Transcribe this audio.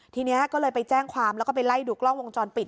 ทีนี้ก็เลยไปแจ้งความแล้วก็ไปไล่ดูกล้องวงจรปิด